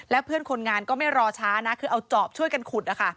เพื่อนคนงานก็ไม่รอช้านะคือเอาจอบช่วยกันขุด